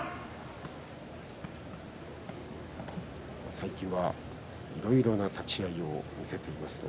最近は、いろいろな立ち合いを見せています。